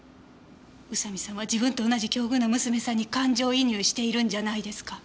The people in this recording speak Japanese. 宇佐見さんは自分と同じ境遇の娘さんに感情移入しているんじゃないですか？